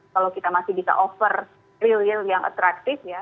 kalau kita masih bisa offer real yield yang atraktif